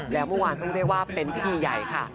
แล้วเมื่อวานต้องเรียกว่าเป็นพิธีใหญ่ค่ะ